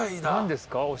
何ですか？